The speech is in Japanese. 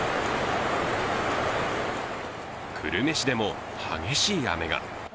久留米市でも激しい雨が。